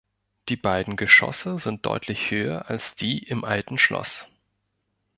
Die beiden Geschosse sind deutlich höher als die im alten Schloss.